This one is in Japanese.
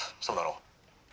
そうだろ？」。